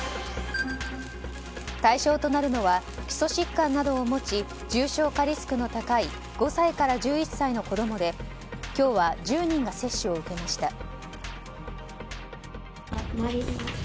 対象となるのは基礎疾患などを持ち重症化リスクの高い５歳から１１歳の子供で今日は１０人が接種を受けました。